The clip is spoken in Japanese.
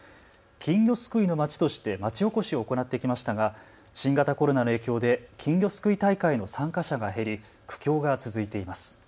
金魚すくいの街として町おこしを行ってきましたが新型コロナの影響で金魚すくい大会の参加者が減り苦境が続いています。